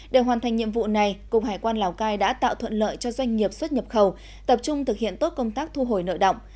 để hoàn thành nhiệm vụ này cục hải quan lào cai đã tạo thuận lợi cho doanh nghiệp xuất nhập khẩu tập trung thực hiện tốt công tác thu hồi nợ động